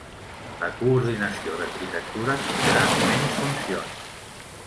La coordinació d'Arquitectura tindrà menys funcions